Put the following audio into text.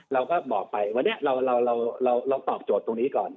เราก็บอกไปวันนี้เราตอบโจทย์ตรงนี้ก่อน